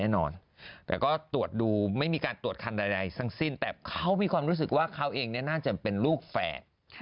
แน่นอนแต่ก็ตรวจดูไม่มีการตรวจคันใดทั้งสิ้นแต่เขามีความรู้สึกว่าเขาเองเนี่ยน่าจะเป็นลูกแฝด